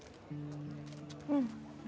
うん。